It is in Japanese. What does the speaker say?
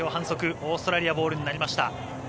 オーストラリアボールになりました。